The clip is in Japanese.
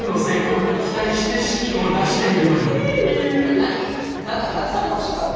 何かなぐさめてほしい感じ？